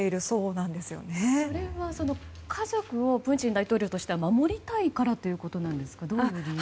それは家族をプーチン大統領としては守りたいからということなんですか？